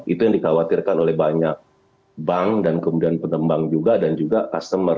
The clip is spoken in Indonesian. itu yang dikhawatirkan oleh banyak bank dan kemudian pengembang juga dan juga customer